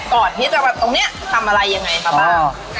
ก่อนที่จะแบบตรงเนี้ยทำอะไรยังไงอ๋อ